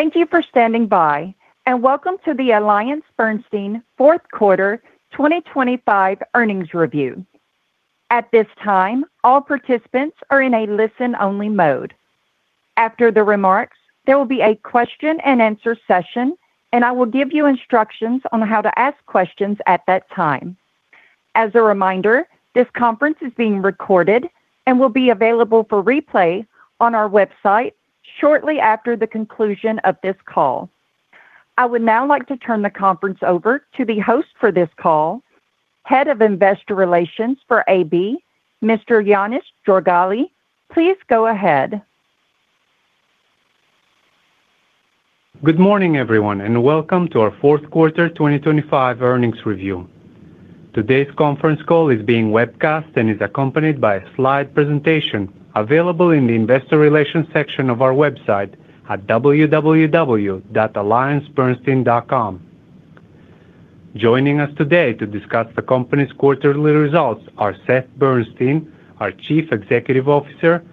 Thank you for standing by, and welcome to the AllianceBernstein Fourth Quarter 2025 Earnings Review. At this time, all participants are in a listen-only mode. After the remarks, there will be a question-and-answer session, and I will give you instructions on how to ask questions at that time. As a reminder, this conference is being recorded and will be available for replay on our website shortly after the conclusion of this call. I would now like to turn the conference over to the host for this call, Head of Investor Relations for AB, Mr. Ioanis Jorgali. Please go ahead. Good morning, everyone, and welcome to our fourth quarter 2025 earnings review. Today's conference call is being webcast and is accompanied by a slide presentation available in the Investor Relations section of our website at www.alliancebernstein.com. Joining us today to discuss the company's quarterly results are Seth Bernstein, our Chief Executive Officer,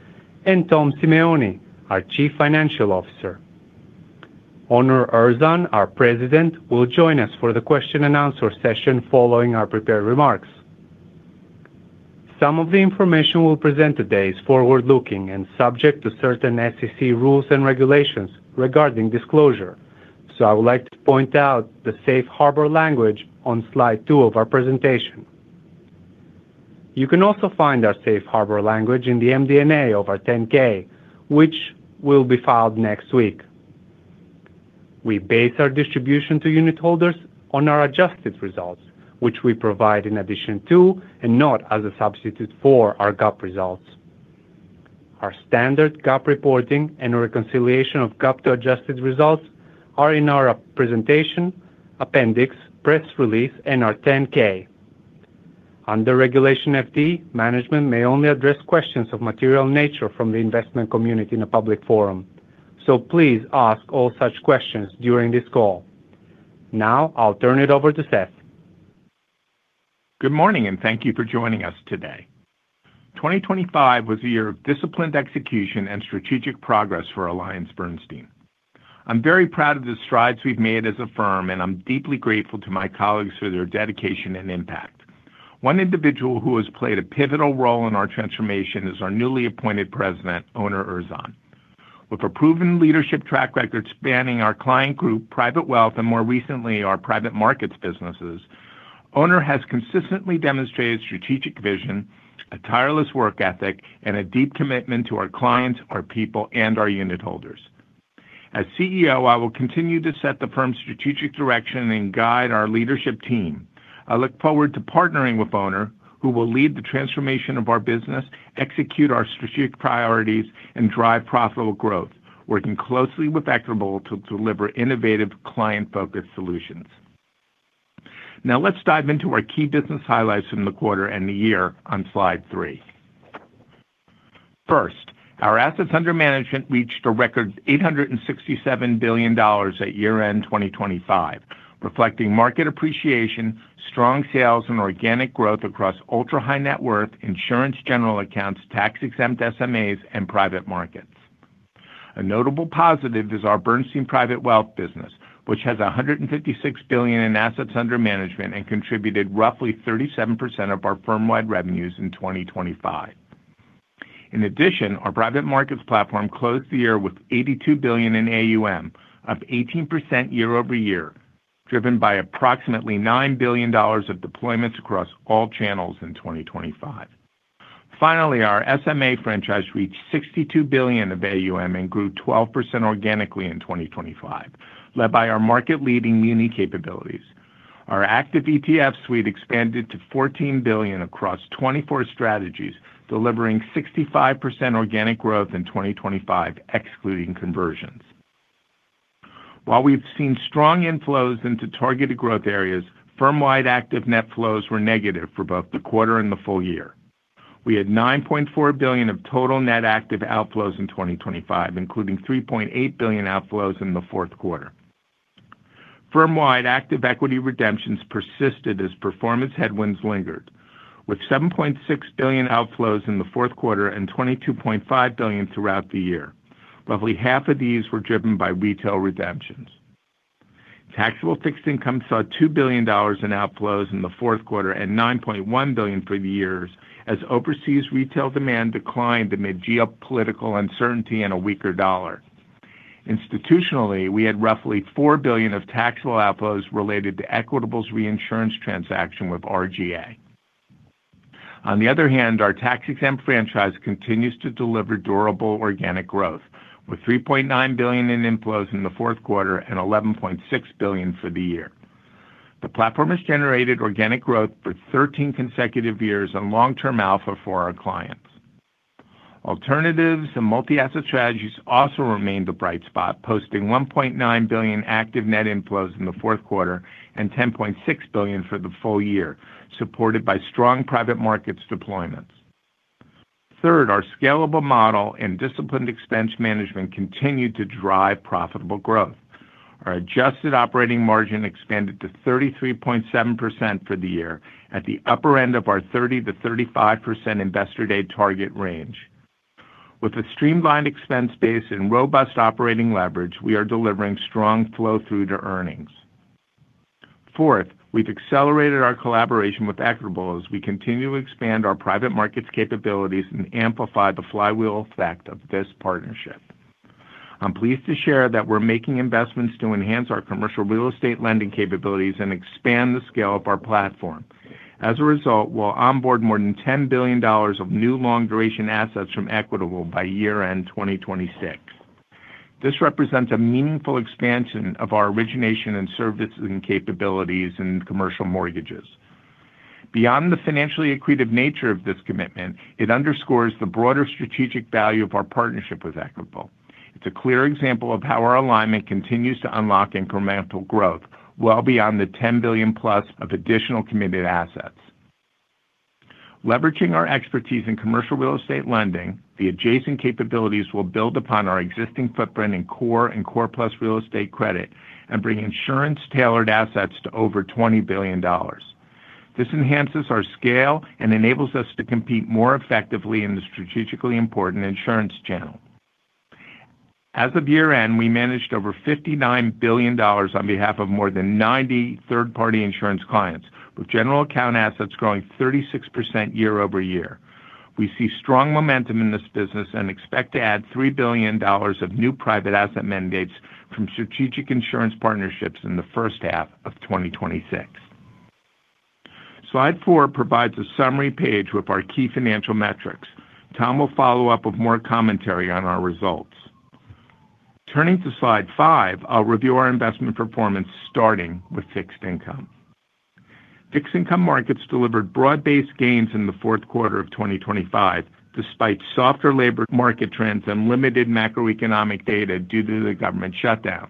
and Tom Simeone, our Chief Financial Officer. Onur Erzan, our President, will join us for the question-and-answer session following our prepared remarks. Some of the information we'll present today is forward-looking and subject to certain SEC rules and regulations regarding disclosure. So I would like to point out the safe harbor language on slide 2 of our presentation. You can also find our safe harbor language in the MD&A of our 10-K, which will be filed next week. We base our distribution to unitholders on our adjusted results, which we provide in addition to and not as a substitute for, our GAAP results. Our standard GAAP reporting and reconciliation of GAAP to adjusted results are in our presentation, appendix, press release, and our 10-K. Under Regulation FD, management may only address questions of material nature from the investment community in a public forum. Please ask all such questions during this call. Now I'll turn it over to Seth. Good morning, and thank you for joining us today. 2025 was a year of disciplined execution and strategic progress for AllianceBernstein. I'm very proud of the strides we've made as a firm, and I'm deeply grateful to my colleagues for their dedication and impact. One individual who has played a pivotal role in our transformation is our newly appointed president, Onur Erzan. With a proven leadership track record spanning our client group, Private Wealth, and more recently, our Private Markets businesses, Onur has consistently demonstrated strategic vision, a tireless work ethic, and a deep commitment to our clients, our people, and our unitholders. As CEO, I will continue to set the firm's strategic direction and guide our leadership team. I look forward to partnering with Onur, who will lead the transformation of our business, execute our strategic priorities, and drive profitable growth, working closely with Equitable to deliver innovative, client-focused solutions. Now, let's dive into our key business highlights from the quarter and the year on slide three. First, our assets under management reached a record $867 billion at year-end 2025, reflecting market appreciation, strong sales, and organic growth across ultra-high net worth, insurance, general accounts, tax-exempt SMAs, and Private Markets. A notable positive is our Bernstein Private Wealth business, which has $156 billion in assets under management and contributed roughly 37% of our firm-wide revenues in 2025. In addition, our Private Markets platform closed the year with $82 billion in AUM, up 18% year-over-year, driven by approximately $9 billion of deployments across all channels in 2025. Finally, our SMA franchise reached $62 billion of AUM and grew 12% organically in 2025, led by our market-leading muni capabilities. Our active ETF suite expanded to $14 billion across 24 strategies, delivering 65% organic growth in 2025, excluding conversions. While we've seen strong inflows into targeted growth areas, firm-wide active net flows were negative for both the quarter and the full year. We had $9.4 billion of total net active outflows in 2025, including $3.8 billion outflows in the fourth quarter. Firm-wide active equity redemptions persisted as performance headwinds lingered, with $7.6 billion outflows in the fourth quarter and $22.5 billion throughout the year. Roughly half of these were driven by retail redemptions. Taxable fixed income saw $2 billion in outflows in the fourth quarter and $9.1 billion for the years, as overseas retail demand declined amid geopolitical uncertainty and a weaker dollar. Institutionally, we had roughly $4 billion of taxable outflows related to Equitable's reinsurance transaction with RGA. On the other hand, our tax-exempt franchise continues to deliver durable organic growth, with $3.9 billion in inflows in the fourth quarter and $11.6 billion for the year. The platform has generated organic growth for 13 consecutive years and long-term alpha for our clients. Alternatives and multi-asset strategies also remained a bright spot, posting $1.9 billion active net inflows in the fourth quarter and $10.6 billion for the full year, supported by strong private markets deployments. Third, our scalable model and disciplined expense management continued to drive profitable growth. Our adjusted operating margin expanded to 33.7% for the year, at the upper end of our 30%-35% Investor Day target range. With a streamlined expense base and robust operating leverage, we are delivering strong flow-through to earnings. Fourth, we've accelerated our collaboration with Equitable as we continue to expand our Private Markets capabilities and amplify the flywheel effect of this partnership. I'm pleased to share that we're making investments to enhance our commercial real estate lending capabilities and expand the scale of our platform. As a result, we'll onboard more than $10 billion of new long-duration assets from Equitable by year-end 2026. This represents a meaningful expansion of our origination and services and capabilities in commercial mortgages. Beyond the financially accretive nature of this commitment, it underscores the broader strategic value of our partnership with Equitable. It's a clear example of how our alignment continues to unlock incremental growth, well beyond the $10 billion+ of additional committed assets. Leveraging our expertise in commercial real estate lending, the adjacent capabilities will build upon our existing footprint in core and core plus real estate credit and bring insurance-tailored assets to over $20 billion. This enhances our scale and enables us to compete more effectively in the strategically important insurance channel. As of year-end, we managed over $59 billion on behalf of more than 90 third-party insurance clients, with general account assets growing 36% year-over-year. We see strong momentum in this business and expect to add $3 billion of new private asset mandates from strategic insurance partnerships in the first half of 2026. Slide 4 provides a summary page with our key financial metrics. Tom will follow up with more commentary on our results. Turning to slide 5, I'll review our investment performance, starting with fixed income. Fixed income markets delivered broad-based gains in the fourth quarter of 2025, despite softer labor market trends and limited macroeconomic data due to the government shutdown.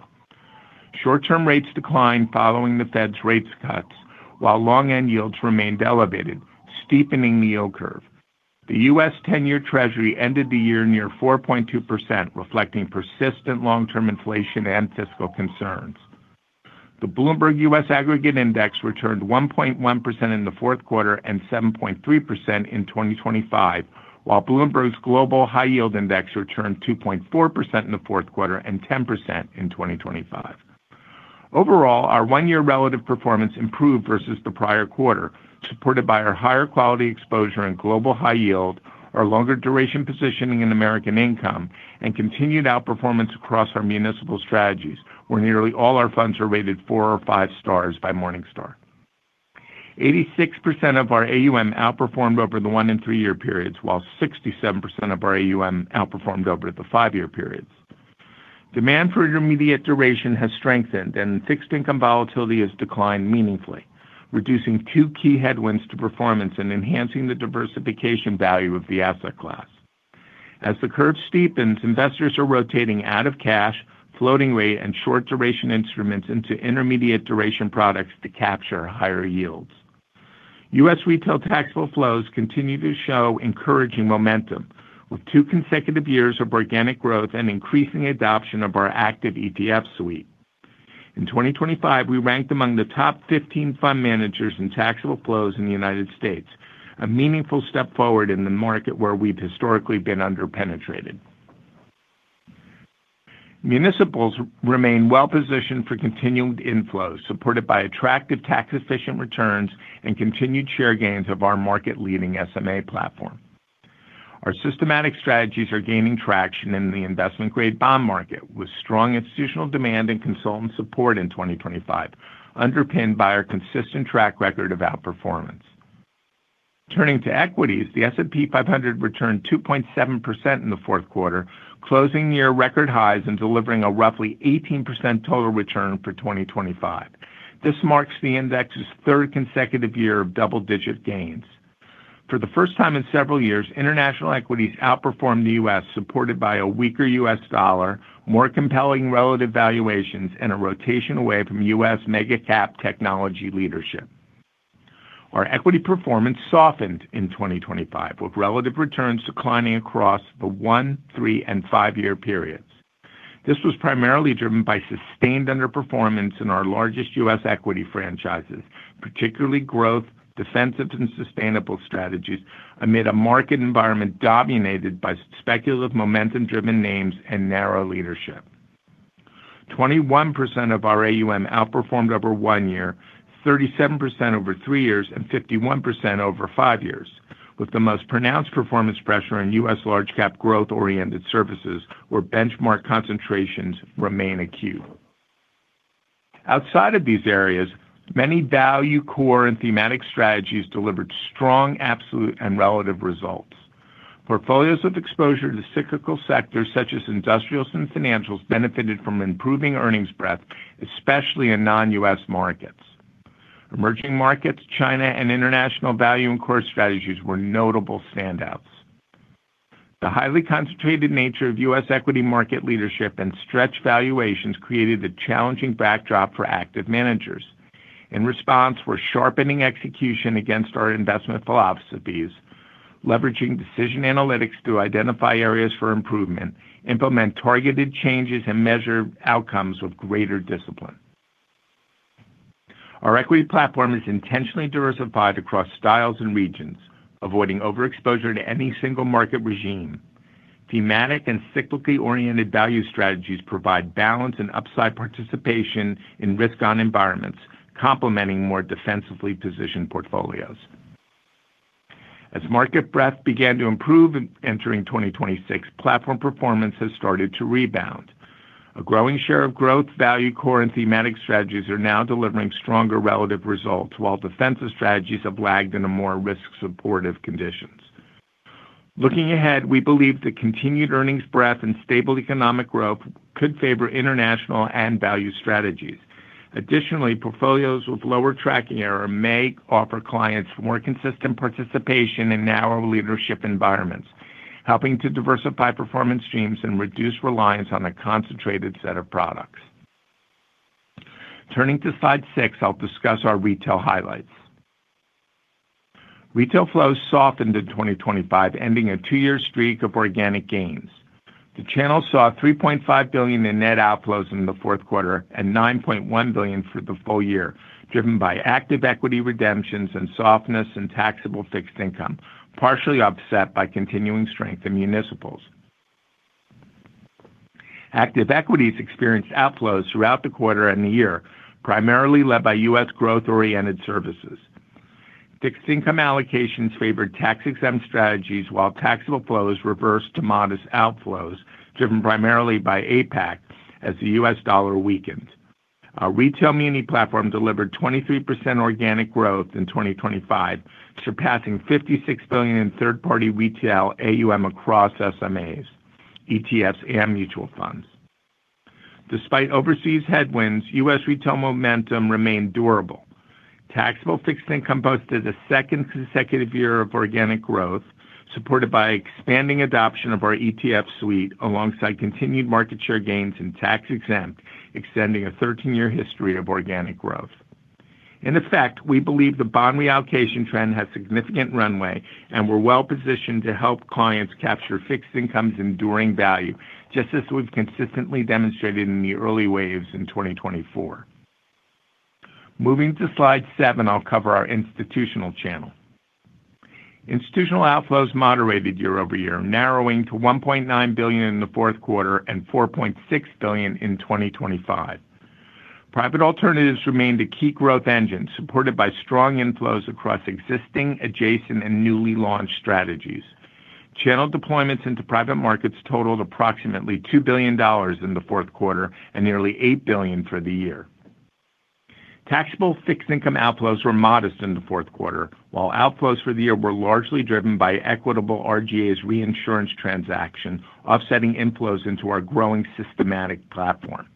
Short-term rates declined following the Fed's rate cuts, while long-end yields remained elevated, steepening the yield curve. The U.S. 10-year Treasury ended the year near 4.2%, reflecting persistent long-term inflation and fiscal concerns. The Bloomberg U.S. Aggregate Index returned 1.1% in the fourth quarter and 7.3% in 2025, while Bloomberg's Global High Yield Index returned 2.4% in the fourth quarter and 10% in 2025. Overall, our 1-year relative performance improved versus the prior quarter, supported by our higher quality exposure in global high yield, our longer duration positioning in American Income, and continued outperformance across our municipal strategies, where nearly all our funds are rated 4 or 5 stars by Morningstar. 86% of our AUM outperformed over the 1- and 3-year periods, while 67% of our AUM outperformed over the 5-year periods. Demand for intermediate duration has strengthened and fixed income volatility has declined meaningfully, reducing two key headwinds to performance and enhancing the diversification value of the asset class. As the curve steepens, investors are rotating out of cash, floating rate, and short-duration instruments into intermediate duration products to capture higher yields. U.S. retail taxable flows continue to show encouraging momentum, with two consecutive years of organic growth and increasing adoption of our active ETF suite. In 2025, we ranked among the top 15 fund managers in taxable flows in the United States, a meaningful step forward in the market where we've historically been under-penetrated. Municipals remain well positioned for continued inflows, supported by attractive tax-efficient returns and continued share gains of our market-leading SMA platform. Our systematic strategies are gaining traction in the investment-grade bond market, with strong institutional demand and consultant support in 2025, underpinned by our consistent track record of outperformance. Turning to equities, the S&P 500 returned 2.7% in the fourth quarter, closing near record highs and delivering a roughly 18% total return for 2025. This marks the index's third consecutive year of double-digit gains. For the first time in several years, international equities outperformed the U.S., supported by a weaker US dollar, more compelling relative valuations, and a rotation away from U.S. mega-cap technology leadership. Our equity performance softened in 2025, with relative returns declining across the one-, three-, and five-year periods. This was primarily driven by sustained underperformance in our largest U.S. equity franchises, particularly growth, defensive, and sustainable strategies, amid a market environment dominated by speculative, momentum-driven names and narrow leadership. 21% of our AUM outperformed over 1 year, 37% over 3 years, and 51% over 5 years, with the most pronounced performance pressure in U.S. large cap growth-oriented strategies, where benchmark concentrations remain acute. Outside of these areas, many value, core, and thematic strategies delivered strong, absolute, and relative results. Portfolios with exposure to cyclical sectors such as industrials and financials benefited from improving earnings breadth, especially in non-U.S. markets. Emerging markets, China, and international value and core strategies were notable standouts. The highly concentrated nature of U.S. equity market leadership and stretched valuations created a challenging backdrop for active managers. In response, we're sharpening execution against our investment philosophies,... leveraging decision analytics to identify areas for improvement, implement targeted changes, and measure outcomes with greater discipline. Our equity platform is intentionally diversified across styles and regions, avoiding overexposure to any single market regime. Thematic and cyclically-oriented value strategies provide balance and upside participation in risk-on environments, complementing more defensively positioned portfolios. As market breadth began to improve in entering 2026, platform performance has started to rebound. A growing share of growth, value, core, and thematic strategies are now delivering stronger relative results, while defensive strategies have lagged into more risk-supportive conditions. Looking ahead, we believe the continued earnings breadth and stable economic growth could favor international and value strategies. Additionally, portfolios with lower tracking error may offer clients more consistent participation in narrow leadership environments, helping to diversify performance streams and reduce reliance on a concentrated set of products. Turning to slide 6, I'll discuss our retail highlights. Retail flows softened in 2025, ending a two-year streak of organic gains. The channel saw $3.5 billion in net outflows in the fourth quarter and $9.1 billion for the full year, driven by active equity redemptions and softness in taxable fixed income, partially offset by continuing strength in municipals. Active equities experienced outflows throughout the quarter and the year, primarily led by U.S. growth-oriented services. Fixed income allocations favored tax-exempt strategies, while taxable flows reversed to modest outflows, driven primarily by APAC as the U.S. dollar weakened. Our retail mini platform delivered 23% organic growth in 2025, surpassing $56 billion in third-party retail AUM across SMAs, ETFs, and mutual funds. Despite overseas headwinds, U.S. retail momentum remained durable. Taxable fixed income posted a second consecutive year of organic growth, supported by expanding adoption of our ETF suite, alongside continued market share gains in tax-exempt, extending a 13-year history of organic growth. In effect, we believe the bond reallocation trend has significant runway, and we're well-positioned to help clients capture fixed income's enduring value, just as we've consistently demonstrated in the early waves in 2024. Moving to slide 7, I'll cover our institutional channel. Institutional outflows moderated year-over-year, narrowing to $1.9 billion in the fourth quarter and $4.6 billion in 2025. Private alternatives remained a key growth engine, supported by strong inflows across existing, adjacent, and newly launched strategies. Channel deployments into Private Markets totaled approximately $2 billion in the fourth quarter and nearly $8 billion for the year. Taxable fixed income outflows were modest in the fourth quarter, while outflows for the year were largely driven by Equitable-RGA's reinsurance transaction, offsetting inflows into our growing systematic platform.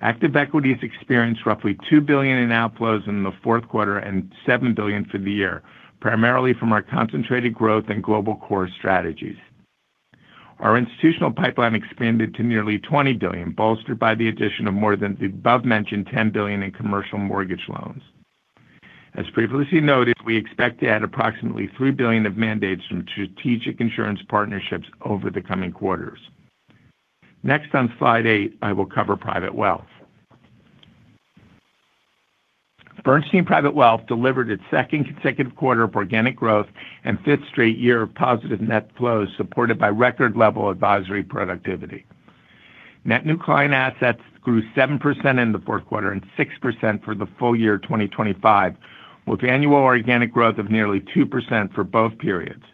Active equities experienced roughly $2 billion in outflows in the fourth quarter and $7 billion for the year, primarily from our concentrated growth and global core strategies. Our institutional pipeline expanded to nearly $20 billion, bolstered by the addition of more than the above-mentioned $10 billion in commercial mortgage loans. As previously noted, we expect to add approximately $3 billion of mandates from strategic insurance partnerships over the coming quarters. Next, on slide 8, I will cover Private Wealth. Bernstein Private Wealth delivered its second consecutive quarter of organic growth and fifth straight year of positive net flows, supported by record-level advisory productivity. Net new client assets grew 7% in the fourth quarter and 6% for the full year 2025, with annual organic growth of nearly 2% for both periods.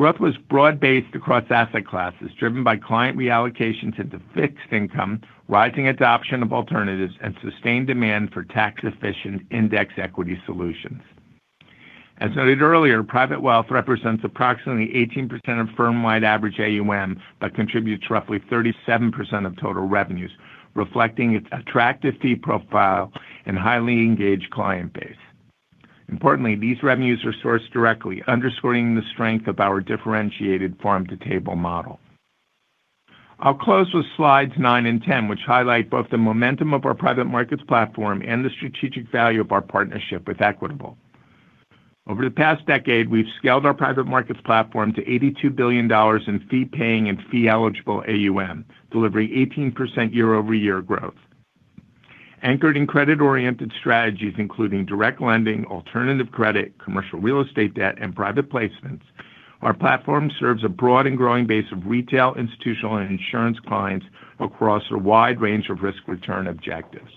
Growth was broad-based across asset classes, driven by client reallocation into fixed income, rising adoption of alternatives, and sustained demand for tax-efficient index equity solutions. As noted earlier, Private Wealth represents approximately 18% of firm-wide average AUM, but contributes roughly 37% of total revenues, reflecting its attractive fee profile and highly engaged client base. Importantly, these revenues are sourced directly, underscoring the strength of our differentiated farm-to-table model. I'll close with slides 9 and 10, which highlight both the momentum of our Private Markets platform and the strategic value of our partnership with Equitable. Over the past decade, we've scaled our Private Markets platform to $82 billion in fee-paying and fee-eligible AUM, delivering 18% year-over-year growth. Anchored in credit-oriented strategies, including direct lending, alternative credit, commercial real estate debt, and private placements, our platform serves a broad and growing base of retail, institutional, and insurance clients across a wide range of risk-return objectives.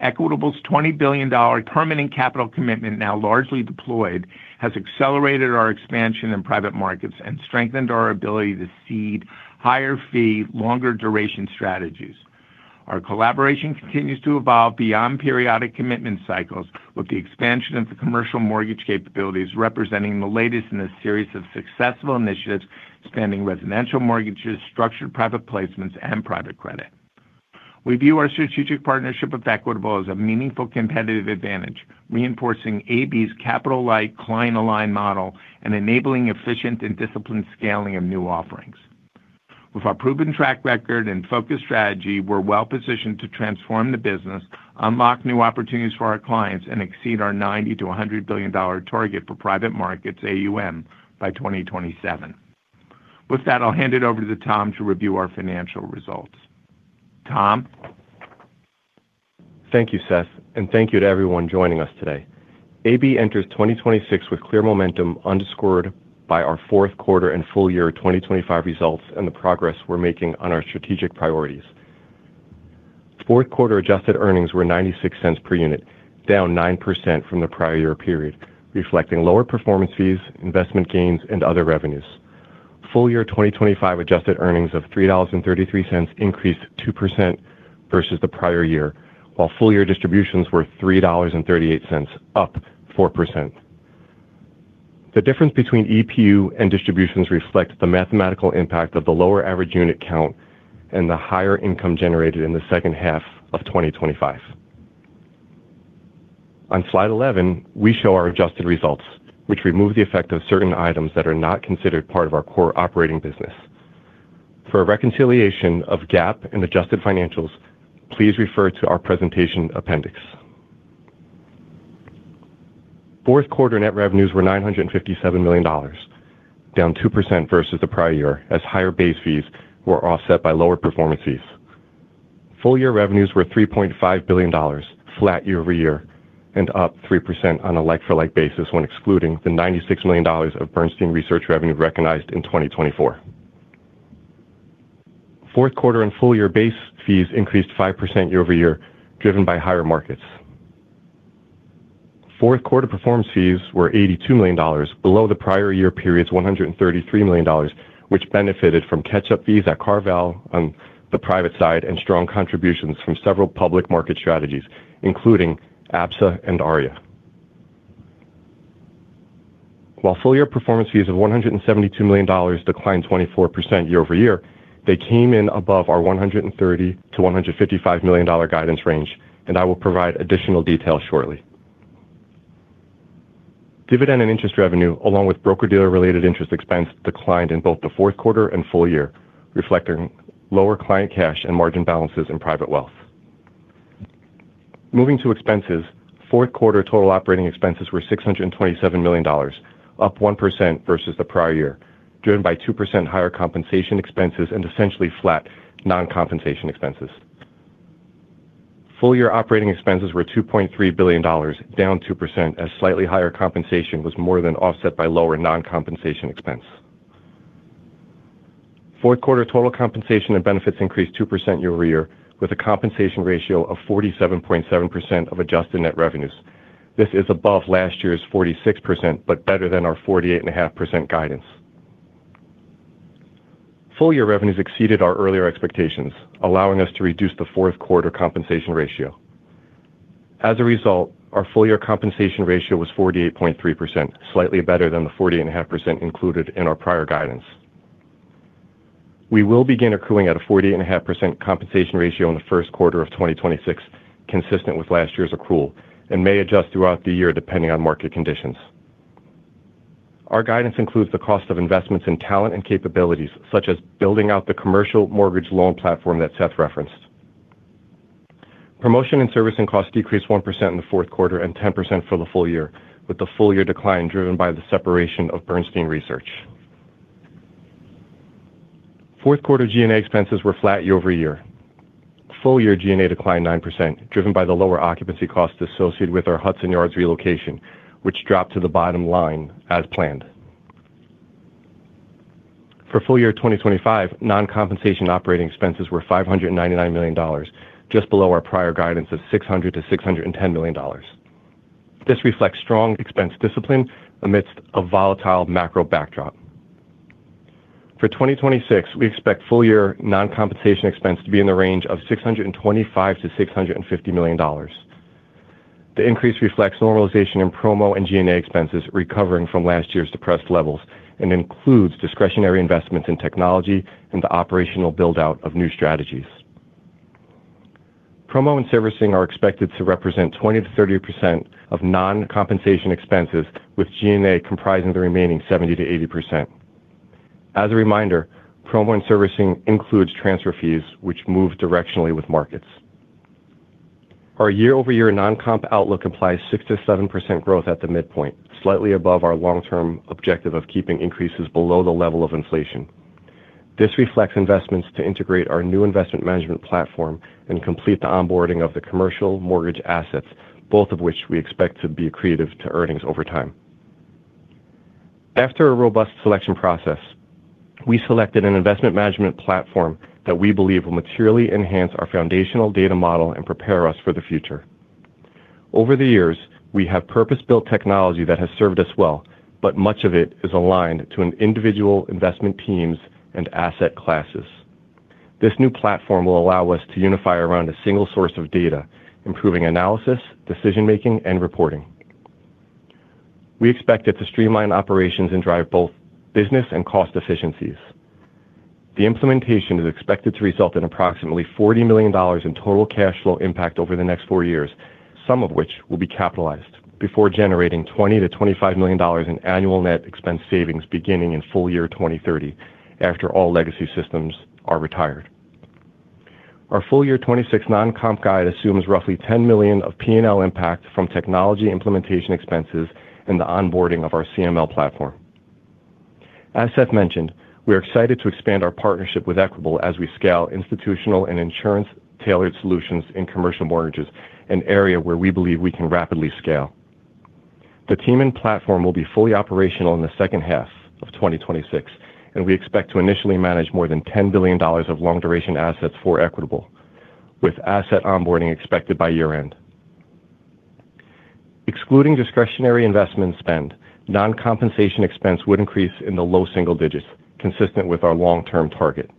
Equitable's $20 billion permanent capital commitment, now largely deployed, has accelerated our expansion in Private Markets and strengthened our ability to seed higher fee, longer-duration strategies. Our collaboration continues to evolve beyond periodic commitment cycles, with the expansion of the commercial mortgage capabilities representing the latest in a series of successful initiatives spanning residential mortgages, structured private placements, and private credit. We view our strategic partnership with Equitable as a meaningful competitive advantage, reinforcing AB's capital-light, client-aligned model and enabling efficient and disciplined scaling of new offerings.... With our proven track record and focused strategy, we're well-positioned to transform the business, unlock new opportunities for our clients, and exceed our $90 billion-$100 billion target for Private Markets AUM by 2027. With that, I'll hand it over to Tom to review our financial results. Tom? Thank you, Seth, and thank you to everyone joining us today. AB enters 2026 with clear momentum, underscored by our fourth quarter and full year 2025 results and the progress we're making on our strategic priorities. Fourth quarter adjusted earnings were $0.96 per unit, down 9% from the prior year period, reflecting lower performance fees, investment gains, and other revenues. Full year 2025 adjusted earnings of $3.33 increased 2% versus the prior year, while full year distributions were $3.38, up 4%. The difference between EPU and distributions reflect the mathematical impact of the lower average unit count and the higher income generated in the second half of 2025. On slide 11, we show our adjusted results, which remove the effect of certain items that are not considered part of our core operating business. For a reconciliation of GAAP and adjusted financials, please refer to our presentation appendix. Fourth quarter net revenues were $957 million, down 2% versus the prior year, as higher base fees were offset by lower performance fees. Full year revenues were $3.5 billion, flat year-over-year, and up 3% on a like-for-like basis when excluding the $96 million of Bernstein Research revenue recognized in 2024. Fourth quarter and full year base fees increased 5% year-over-year, driven by higher markets. Fourth quarter performance fees were $82 million, below the prior year period's $133 million, which benefited from catch-up fees at CarVal on the private side and strong contributions from several public market strategies, including ABSA and Arya. While full year performance fees of $172 million declined 24% year-over-year, they came in above our $130 million-$155 million guidance range, and I will provide additional details shortly. Dividend and interest revenue, along with broker-dealer-related interest expense, declined in both the fourth quarter and full year, reflecting lower client cash and margin balances in private wealth. Moving to expenses, fourth quarter total operating expenses were $627 million, up 1% versus the prior year, driven by 2% higher compensation expenses and essentially flat non-compensation expenses. Full year operating expenses were $2.3 billion, down 2%, as slightly higher compensation was more than offset by lower non-compensation expense. Fourth quarter total compensation and benefits increased 2% year-over-year, with a compensation ratio of 47.7% of adjusted net revenues. This is above last year's 46%, but better than our 48.5% guidance. Full year revenues exceeded our earlier expectations, allowing us to reduce the fourth quarter compensation ratio. As a result, our full year compensation ratio was 48.3%, slightly better than the 48.5% included in our prior guidance. We will begin accruing at a 48.5% compensation ratio in the first quarter of 2026, consistent with last year's accrual, and may adjust throughout the year, depending on market conditions. Our guidance includes the cost of investments in talent and capabilities, such as building out the commercial mortgage loan platform that Seth referenced. Promotion and servicing costs decreased 1% in the fourth quarter and 10% for the full year, with the full year decline driven by the separation of Bernstein Research. Fourth quarter G&A expenses were flat year-over-year. Full year G&A declined 9%, driven by the lower occupancy costs associated with our Hudson Yards relocation, which dropped to the bottom line as planned. For full year 2025, non-compensation operating expenses were $599 million, just below our prior guidance of $600 million-$610 million. This reflects strong expense discipline amidst a volatile macro backdrop. For 2026, we expect full year non-compensation expense to be in the range of $625 million-$650 million. The increase reflects normalization in promo and G&A expenses recovering from last year's depressed levels and includes discretionary investments in technology and the operational build-out of new strategies. Promo and servicing are expected to represent 20%-30% of non-compensation expenses, with G&A comprising the remaining 70%-80%. As a reminder, promo and servicing includes transfer fees, which move directionally with markets. Our year-over-year non-comp outlook implies 6%-7% growth at the midpoint, slightly above our long-term objective of keeping increases below the level of inflation. This reflects investments to integrate our new investment management platform and complete the onboarding of the commercial mortgage assets, both of which we expect to be accretive to earnings over time. After a robust selection process, we selected an investment management platform that we believe will materially enhance our foundational data model and prepare us for the future. Over the years, we have purpose-built technology that has served us well, but much of it is aligned to an individual investment teams and asset classes. This new platform will allow us to unify around a single source of data, improving analysis, decision-making, and reporting. We expect it to streamline operations and drive both business and cost efficiencies. The implementation is expected to result in approximately $40 million in total cash flow impact over the next four years. Some of which will be capitalized before generating $20 million-$25 million in annual net expense savings beginning in full year 2030, after all legacy systems are retired. Our full year 2026 non-comp guide assumes roughly $10 million of P&L impact from technology implementation expenses and the onboarding of our CML platform. As Seth mentioned, we are excited to expand our partnership with Equitable as we scale institutional and insurance-tailored solutions in commercial mortgages, an area where we believe we can rapidly scale. The team and platform will be fully operational in the second half of 2026, and we expect to initially manage more than $10 billion of long-duration assets for Equitable, with asset onboarding expected by year-end. Excluding discretionary investment spend, non-compensation expense would increase in the low single digits, consistent with our long-term target.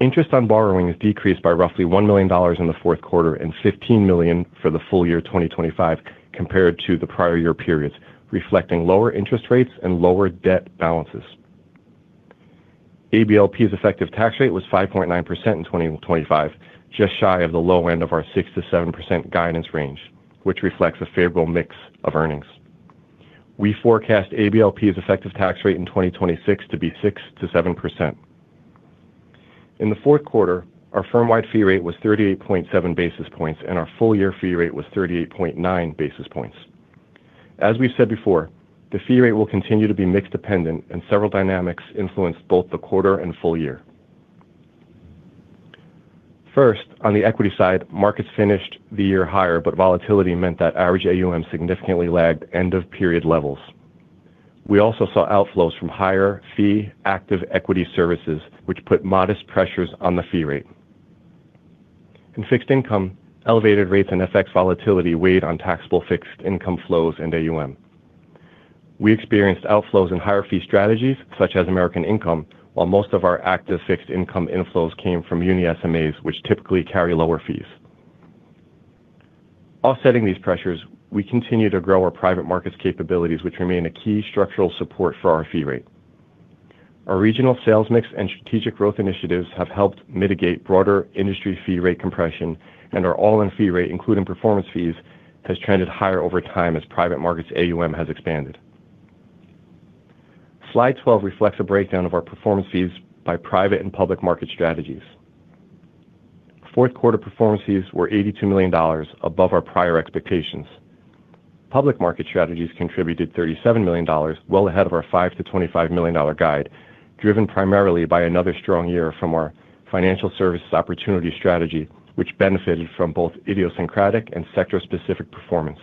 Interest on borrowing has decreased by roughly $1 million in the fourth quarter and $15 million for the full year 2025 compared to the prior year periods, reflecting lower interest rates and lower debt balances. ABLP's effective tax rate was 5.9% in 2025, just shy of the low end of our 6%-7% guidance range, which reflects a favorable mix of earnings. We forecast ABLP's effective tax rate in 2026 to be 6%-7%. In the fourth quarter, our firm-wide fee rate was 38.7 basis points, and our full-year fee rate was 38.9 basis points. As we've said before, the fee rate will continue to be mix-dependent, and several dynamics influenced both the quarter and full year. First, on the equity side, markets finished the year higher, but volatility meant that average AUM significantly lagged end-of-period levels. We also saw outflows from higher fee active equity services, which put modest pressures on the fee rate. In fixed income, elevated rates and FX volatility weighed on taxable fixed income flows and AUM. We experienced outflows in higher fee strategies, such as American Income, while most of our active fixed income inflows came from uni SMAs, which typically carry lower fees. Offsetting these pressures, we continue to grow our Private Markets capabilities, which remain a key structural support for our fee rate. Our regional sales mix and strategic growth initiatives have helped mitigate broader industry fee rate compression and our all-in fee rate, including performance fees, has trended higher over time as Private Markets AUM has expanded. Slide 12 reflects a breakdown of our performance fees by private and public market strategies. Fourth quarter performance fees were $82 million above our prior expectations. Public market strategies contributed $37 million, well ahead of our $5 million-$25 million guide, driven primarily by another strong year from our financial services opportunity strategy, which benefited from both idiosyncratic and sector-specific performance.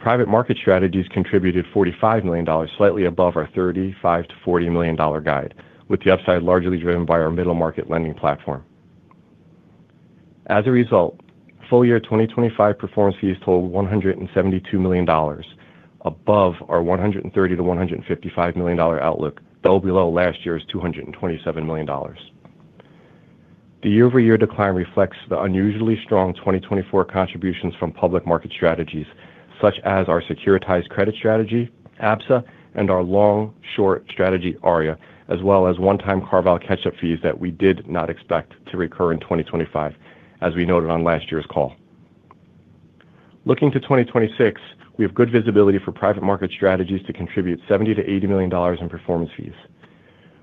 Private market strategies contributed $45 million, slightly above our $35-$40 million guide, with the upside largely driven by our middle market lending platform. As a result, full year 2025 performance fees totaled $172 million, above our $130-$155 million outlook, though below last year's $227 million. The year-over-year decline reflects the unusually strong 2024 contributions from public market strategies, such as our securitized credit strategy, ABSA, and our long-short strategy, Arya, as well as one-time CarVal catch-up fees that we did not expect to recur in 2025, as we noted on last year's call. Looking to 2026, we have good visibility for private market strategies to contribute $70-$80 million in performance fees.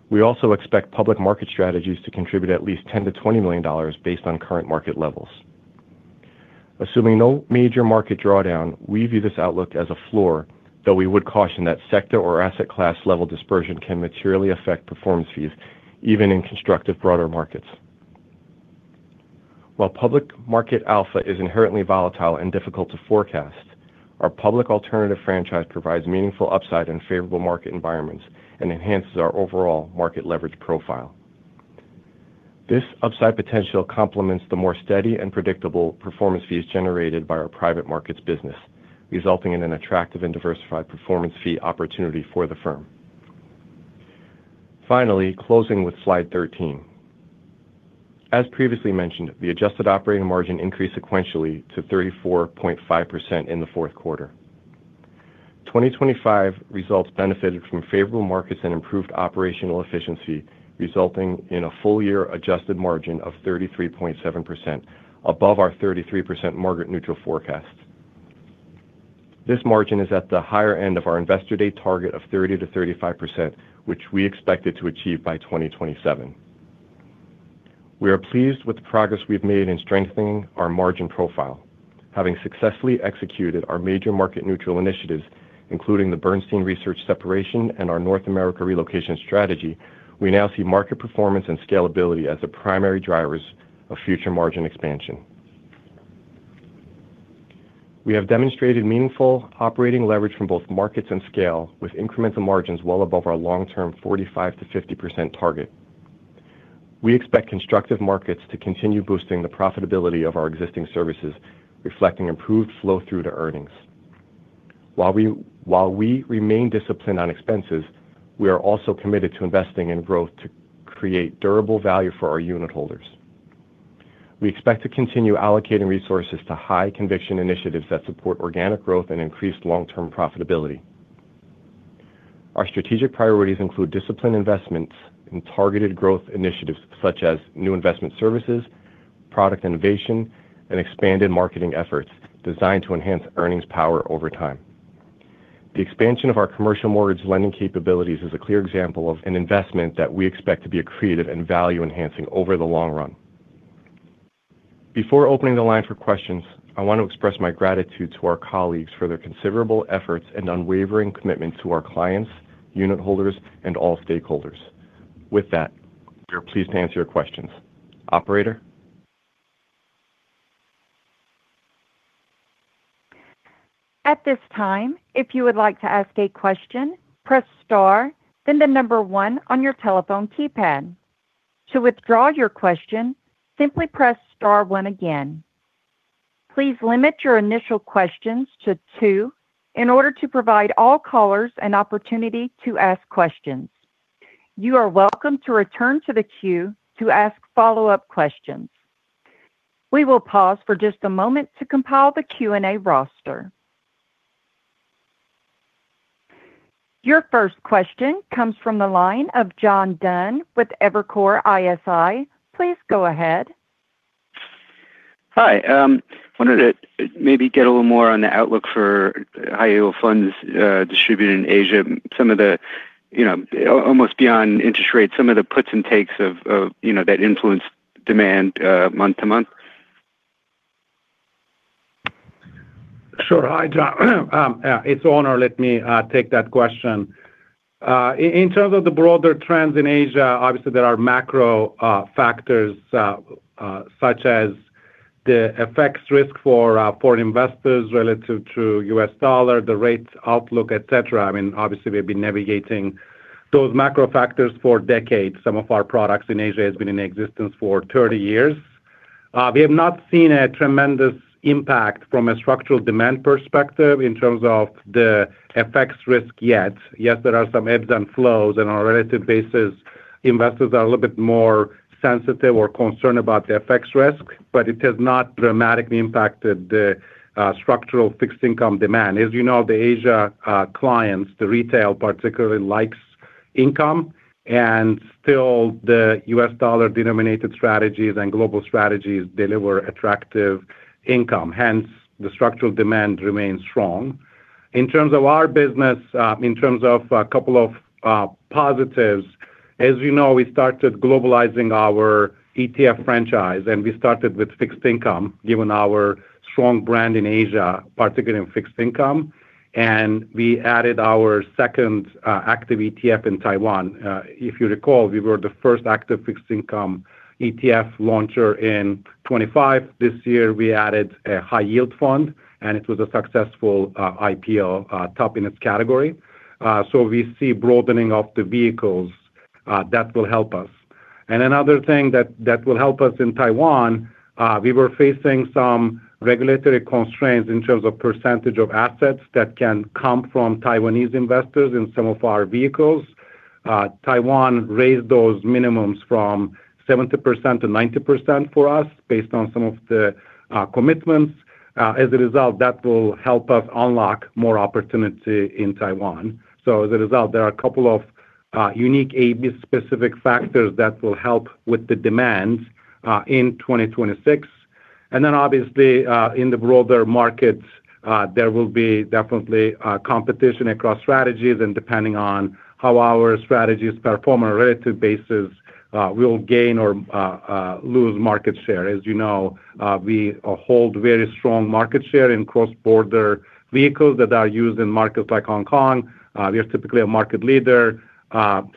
We also expect public market strategies to contribute at least $10 million-$20 million based on current market levels. Assuming no major market drawdown, we view this outlook as a floor, though we would caution that sector or asset class level dispersion can materially affect performance fees, even in constructive broader markets. While public market alpha is inherently volatile and difficult to forecast, our public alternative franchise provides meaningful upside in favorable market environments and enhances our overall market leverage profile. This upside potential complements the more steady and predictable performance fees generated by our Private Markets business, resulting in an attractive and diversified performance fee opportunity for the firm. Finally, closing with slide 13. As previously mentioned, the adjusted operating margin increased sequentially to 34.5% in the fourth quarter. 2025 results benefited from favorable markets and improved operational efficiency, resulting in a full-year adjusted margin of 33.7%, above our 33% market neutral forecast. This margin is at the higher end of our investor day target of 30%-35%, which we expected to achieve by 2027. We are pleased with the progress we've made in strengthening our margin profile. Having successfully executed our major market neutral initiatives, including the Bernstein Research separation and our North America relocation strategy, we now see market performance and scalability as the primary drivers of future margin expansion. We have demonstrated meaningful operating leverage from both markets and scale, with incremental margins well above our long-term 45%-50% target. We expect constructive markets to continue boosting the profitability of our existing services, reflecting improved flow-through to earnings. While we remain disciplined on expenses, we are also committed to investing in growth to create durable value for our unitholders. We expect to continue allocating resources to high-conviction initiatives that support organic growth and increased long-term profitability.... Our strategic priorities include disciplined investments in targeted growth initiatives such as new investment services, product innovation, and expanded marketing efforts designed to enhance earnings power over time. The expansion of our commercial mortgage lending capabilities is a clear example of an investment that we expect to be accretive and value-enhancing over the long run. Before opening the line for questions, I want to express my gratitude to our colleagues for their considerable efforts and unwavering commitment to our clients, unitholders, and all stakeholders. With that, we are pleased to answer your questions. Operator? At this time, if you would like to ask a question, press Star, then the number one on your telephone keypad. To withdraw your question, simply press Star one again. Please limit your initial questions to two in order to provide all callers an opportunity to ask questions. You are welcome to return to the queue to ask follow-up questions. We will pause for just a moment to compile the Q&A roster. Your first question comes from the line of John Dunn with Evercore ISI. Please go ahead. Hi. I wanted to maybe get a little more on the outlook for high-yield funds, distributed in Asia. Some of the, you know, almost beyond interest rates, some of the puts and takes of, you know, that influence demand, month to month. Sure. Hi, John. It's Onur. Let me take that question. In terms of the broader trends in Asia, obviously, there are macro factors such as the FX risk for foreign investors relative to the U.S. dollar, the rate outlook, et cetera. I mean, obviously, we've been navigating those macro factors for decades. Some of our products in Asia has been in existence for 30 years. We have not seen a tremendous impact from a structural demand perspective in terms of the FX risk yet. Yes, there are some ebbs and flows, and on a relative basis, investors are a little bit more sensitive or concerned about the FX risk, but it has not dramatically impacted the structural fixed income demand. As you know, the Asia clients, the retail, particularly likes income, and still the U.S. dollar-denominated strategies and global strategies deliver attractive income, hence, the structural demand remains strong. In terms of our business, in terms of a couple of positives, as you know, we started globalizing our ETF franchise, and we started with fixed income, given our strong brand in Asia, particularly in fixed income, and we added our second active ETF in Taiwan. If you recall, we were the first active fixed income ETF launcher in 2025. This year, we added a high-yield fund, and it was a successful IPO, top in its category. So we see broadening of the vehicles that will help us. And another thing that will help us in Taiwan, we were facing some regulatory constraints in terms of percentage of assets that can come from Taiwanese investors in some of our vehicles. Taiwan raised those minimums from 70%-90% for us based on some of the commitments. As a result, that will help us unlock more opportunity in Taiwan. So as a result, there are a couple of unique AB specific factors that will help with the demands in 2026. And then obviously, in the broader markets, there will be definitely competition across strategies, and depending on how our strategies perform on a relative basis, we'll gain or lose market share. As you know, we hold very strong market share in cross-border vehicles that are used in markets like Hong Kong. We are typically a market leader.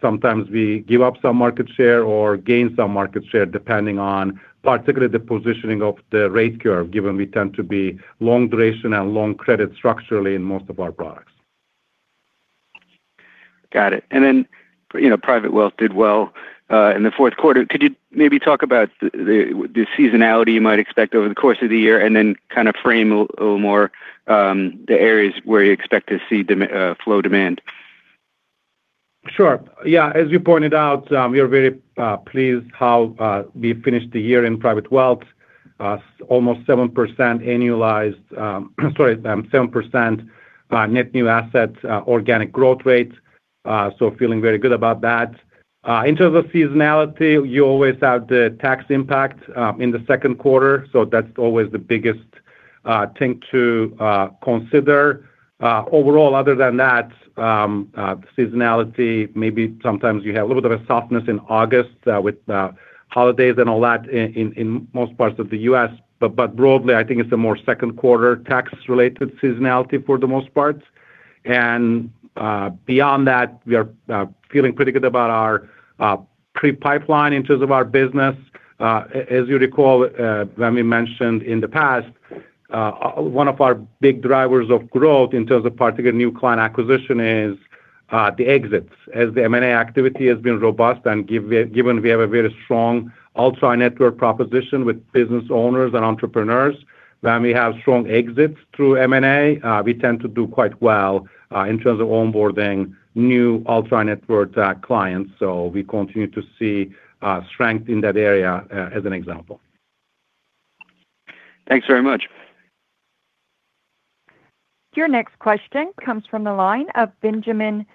Sometimes we give up some market share or gain some market share, depending on particularly the positioning of the rate curve, given we tend to be long duration and long credit structurally in most of our products. Got it. And then, you know, private wealth did well in the fourth quarter. Could you maybe talk about the seasonality you might expect over the course of the year, and then kind of frame a little more the areas where you expect to see flow demand? Sure. Yeah. As you pointed out, we are very pleased how we finished the year in private wealth. Almost 7% annualized, sorry, 7% net new assets organic growth rate. So feeling very good about that. In terms of seasonality, you always have the tax impact in the second quarter, so that's always the biggest thing to consider. Overall, other than that, seasonality, maybe sometimes you have a little bit of a softness in August with the holidays and all that in in most parts of the U.S. But broadly, I think it's more second quarter tax-related seasonality for the most part. And beyond that, we are feeling pretty good about our pipeline in terms of our business. As you recall, when we mentioned in the past, one of our big drivers of growth in terms of particular new client acquisition is the exits. As the M&A activity has been robust and given we have a very strong ultra network proposition with business owners and entrepreneurs, when we have strong exits through M&A, we tend to do quite well in terms of onboarding new ultra network clients. So we continue to see strength in that area, as an example.... Thanks very much. Your next question comes from the line of Benjamin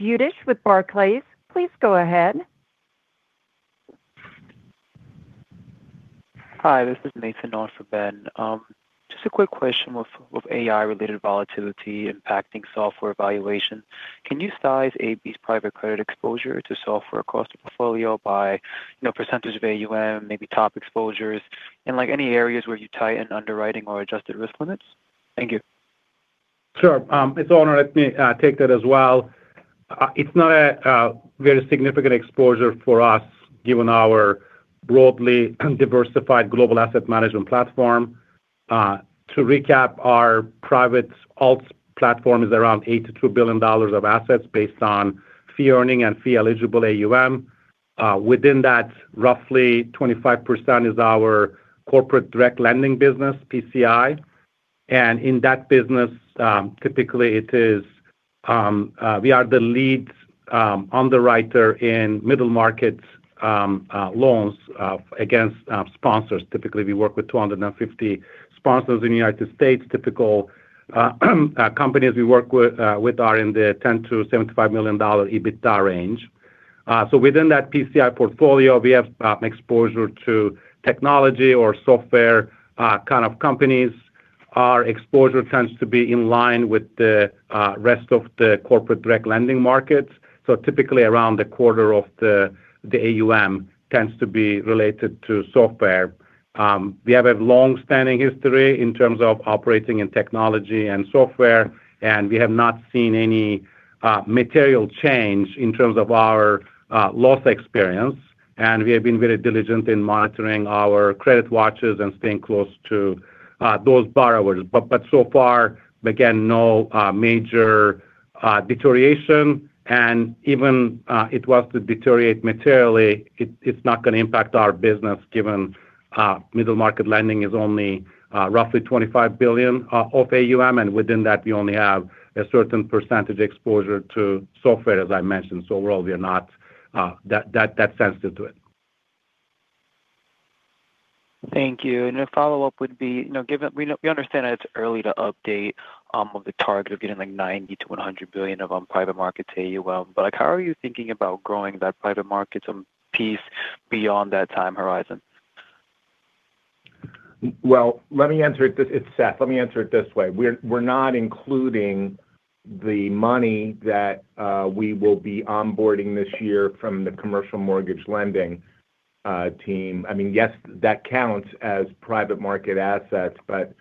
Budish with Barclays. Please go ahead. Hi, this is Nathan. On for Ben. Just a quick question with AI-related volatility impacting software evaluation. Can you size AB's private credit exposure to software across the portfolio by, you know, percentage of AUM, maybe top exposures, and, like, any areas where you tie in underwriting or adjusted risk limits? Thank you. Sure. It's Onur. Let me take that as well. It's not a very significant exposure for us, given our broadly diversified global asset management platform. To recap, our private alts platform is around $82 billion of assets based on fee earning and fee-eligible AUM. Within that, roughly 25% is our corporate direct lending business, PCI. And in that business, typically it is, we are the lead underwriter in middle market loans against sponsors. Typically, we work with 250 sponsors in the United States. Typical companies we work with are in the $10 million-$75 million EBITDA range. So within that PCI portfolio, we have exposure to technology or software kind of companies. Our exposure tends to be in line with the rest of the corporate direct lending markets, so typically around a quarter of the AUM tends to be related to software. We have a long-standing history in terms of operating in technology and software, and we have not seen any material change in terms of our loss experience. And we have been very diligent in monitoring our credit watches and staying close to those borrowers. But so far, again, no major deterioration. And even it was to deteriorate materially, it's not gonna impact our business, given middle market lending is only roughly $25 billion of AUM, and within that, we only have a certain percentage exposure to software, as I mentioned. So overall, we are not that sensitive to it. Thank you. And a follow-up would be, you know, given we understand that it's early to update on the target of getting, like, $90 billion-$100 billion of Private Markets AUM, but, like, how are you thinking about growing that Private Markets piece beyond that time horizon? Well, let me answer it this way. It's Seth. We're not including the money that we will be onboarding this year from the commercial mortgage lending team. I mean, yes, that counts as private market assets, but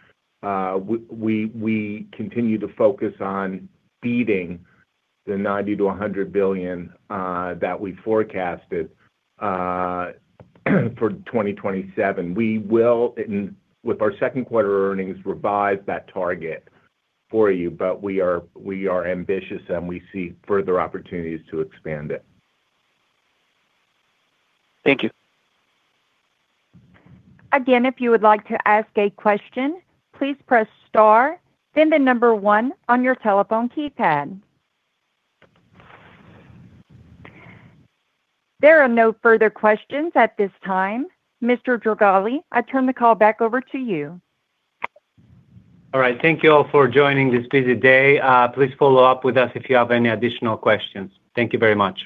we continue to focus on beating the $90 billion-$100 billion that we forecasted for 2027. We will, with our second quarter earnings, revise that target for you, but we are ambitious, and we see further opportunities to expand it. Thank you. Again, if you would like to ask a question, please press star, then the number one on your telephone keypad. There are no further questions at this time. Mr. Jorgali, I turn the call back over to you. All right. Thank you all for joining this busy day. Please follow up with us if you have any additional questions. Thank you very much.